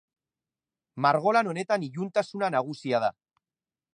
Margolan honetan iluntasuna nagusia da.